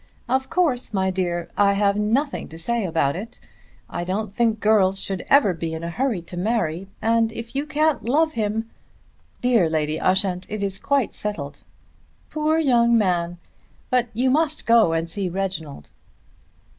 Of course, my dear, I have nothing to say about it. I don't think girls should ever be in a hurry to marry, and if you can't love him " "Dear Lady Ushant, it is quite settled." "Poor young man! But you must go and see Reginald."